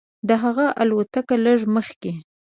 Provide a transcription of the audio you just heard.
د هغه الوتکه لږ مخکې.